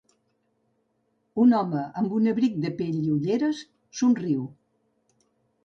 Un home amb un abric de pell i ulleres somriu.